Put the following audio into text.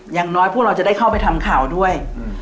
อย่างน้อยพวกเราจะได้เข้าไปทำข่าวด้วย